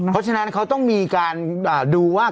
เพราะฉะนั้นเขาต้องมีการดูว่า